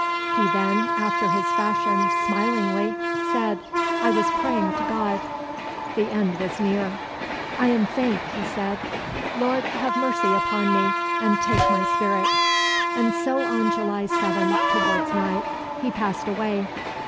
"He then (after his fashion, smilingly) said, 'I was praying to God.'" The end was near. "I am faint," he said. "Lord, have mercy upon me, and take my spirit"; and so on July 7, towards night, he passed away.